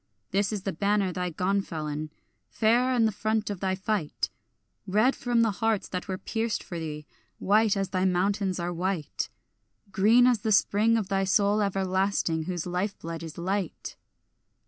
This is the banner thy gonfalon, fair in the front of thy fight, Red from the hearts that were pierced for thee, white as thy mountains are white, Green as the spring of thy soul everlasting, whose life blood is light.